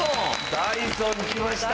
ダイソン来ました。